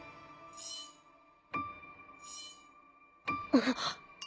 あっ。